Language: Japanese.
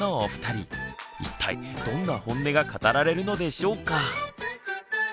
一体どんなホンネが語られるのでしょうか？